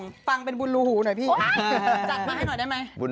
จัดมาให้หน่อยได้มั้ย